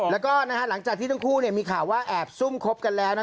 แล้วก็หลังจากที่ทั้งคู่มีข่าวว่าแอบซุ่มคบกันแล้ว